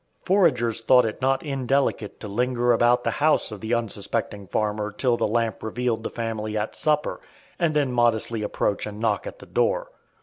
Foragers thought it not indelicate to linger about the house of the unsuspecting farmer till the lamp revealed the family at supper, and then modestly approach and knock at the door.